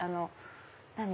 何？